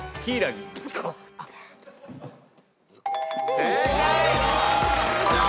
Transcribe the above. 正解！